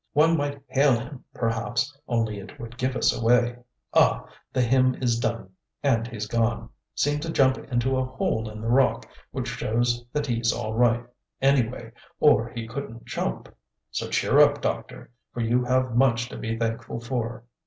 One might hail him, perhaps, only it would give us away. Ah! the hymn is done and he's gone; seemed to jump into a hole in the rock, which shows that he's all right, anyway, or he couldn't jump. So cheer up, Doctor, for you have much to be thankful for."